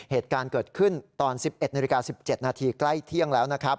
เหตุการณ์เกิดขึ้นตอน๑๑๑๗นาทีใกล้เที่ยงแล้ว